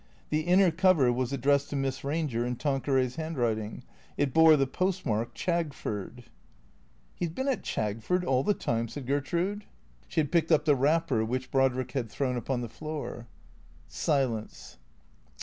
The inner cover was ad dressed to Miss Ranger in Tanqueray's handwriting. It bore the post mark, Chagford. " He 's been at Chagford all the time !" said Gertrude. 488 THECREATOES (She had picked up the wrapper which Brodrick had thrown upon the floor.) Silence.